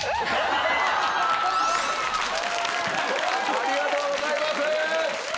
ありがとうございます。